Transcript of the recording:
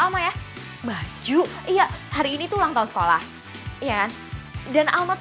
al aku bantuin ya